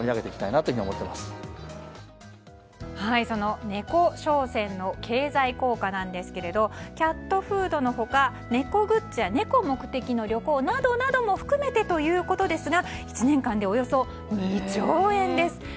その猫商戦の経済効果ですけどキャットフードの他、猫グッズや猫目的の旅行などなども含めてということですが１年間でおよそ２兆円です。